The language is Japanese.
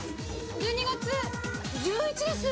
１２月１１です。